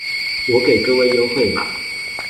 我給各位優惠碼